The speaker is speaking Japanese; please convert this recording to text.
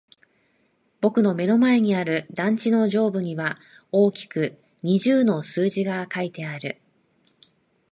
僕の目の前にある団地の上部には大きく二十の数字が書いてある。